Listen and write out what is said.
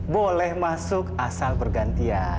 boleh masuk asal pergantian